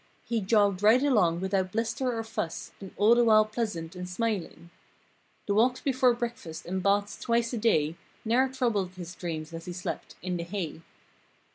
He jogged right along without bluster or fuss And all the while pleasant and smiling. The walks before breakfast and baths twice a day Ne'er troubled his dreams as he slept—"in the hay."